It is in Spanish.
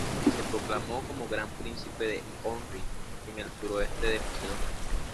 Se proclamó como Gran Príncipe de Ohrid, en el suroeste de Macedonia.